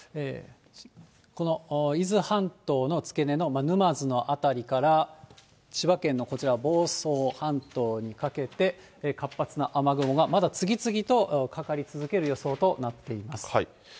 この伊豆半島の付け根の沼津の辺りから、千葉県のこちら、房総半島にかけて、活発な雨雲がまだ次々とかかり続ける予想となっています。